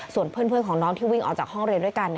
ส่วนเพื่อนของน้องที่วิ่งออกจากห้องเรียนด้วยกัน